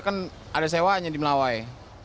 kan ada sewanya di melawai